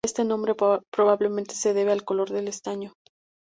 Este nombre probablemente se debe al color del estaño.